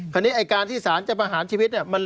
ไอ้การที่สารจะประหารชีวิตเนี่ย